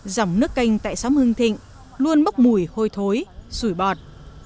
dòng nước canh tại xóm hưng thịnh luôn bốc mùi hôi thối sủi bọt